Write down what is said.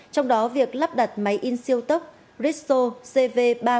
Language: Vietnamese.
trong đó việc lắp đặt máy in siêu tốc riso cv ba nghìn ba mươi